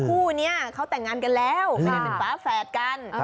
คู่นี้เขาแต่งงานกันแล้วไม่ได้เป็นฝาแฝดกัน